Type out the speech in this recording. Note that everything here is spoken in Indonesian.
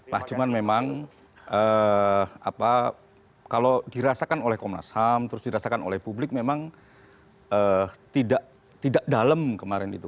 nah cuman memang kalau dirasakan oleh komnas ham terus dirasakan oleh publik memang tidak dalam kemarin itu